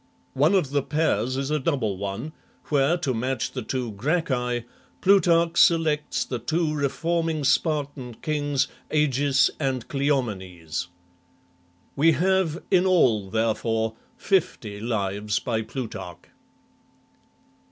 One of the pairs is a double one, where, to match the two Gracchi, Plutarch selects the two reforming Spartan kings, Agis and Cleomenes. We have in all, therefore, fifty Lives by Plutarch.